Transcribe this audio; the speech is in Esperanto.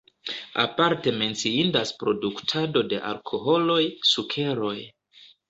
Aparte menciindas produktado de alkoholoj, sukeroj.